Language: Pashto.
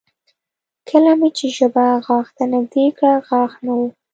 کله مې چې ژبه غاښ ته نږدې کړه غاښ نه و